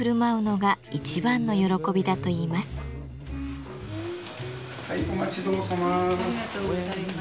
はいお待ち遠さま。